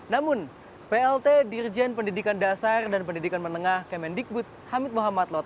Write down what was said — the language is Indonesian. namun plt dirjen pendidikan dasar dan pendidikan menengah kemendikbud hamid muhammad lot